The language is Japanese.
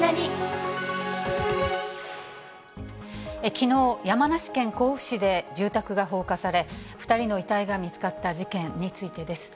きのう、山梨県甲府市で住宅が放火され、２人の遺体が見つかった事件についてです。